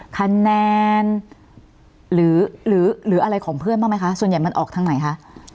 คะแนนหรืออะไรของเพื่อนบ้างไหมคะส่วนใหญ่มันออกทางไหนคะ